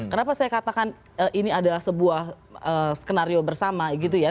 kenapa saya katakan ini adalah sebuah skenario bersama gitu ya